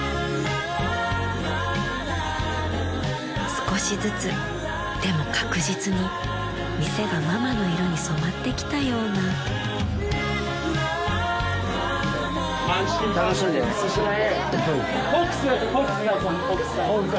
［少しずつでも確実に店がママの色に染まってきたような］ありがとうございます。